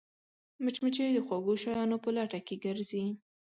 مچمچۍ د خوږو شیانو په لټه کې ګرځي